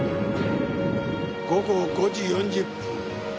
午後５時４０分。